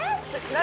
何？